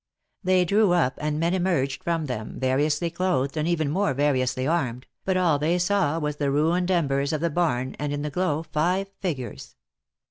They drew up and men emerged from them, variously clothed and even more variously armed, but all they saw was the ruined embers of the barn, and in the glow five figures.